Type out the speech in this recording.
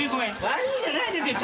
悪いじゃないですよ。